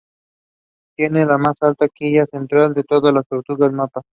Tiene la más alta quilla central de todas las tortugas mapa.